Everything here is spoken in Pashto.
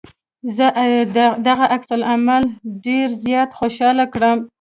زه دغه عکس العمل ډېر زيات خوشحاله کړم.